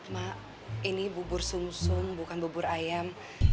mak ini bubur sum sum bukan bubur ayam